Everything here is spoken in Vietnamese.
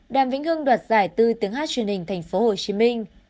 đàm vĩnh hưng đoạt giải tư tiếng hát truyền hình thành phố hồ chí minh